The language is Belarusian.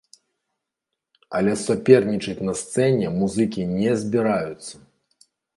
Але сапернічаць на сцэне музыкі не збіраюцца!